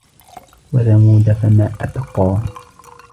وَثَمُودَ فَمَا أَبْقَى